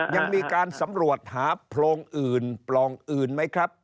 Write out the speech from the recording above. ยังมีการสำรวจหาโพรงอื่นปล่องอื่นไหมครับ